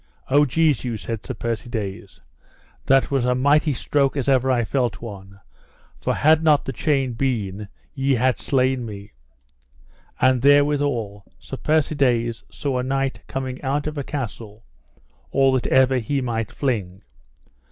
O Jesu, said Sir Persides, that was a mighty stroke as ever I felt one, for had not the chain been ye had slain me. And therewithal Sir Persides saw a knight coming out of a castle all that ever he might fling.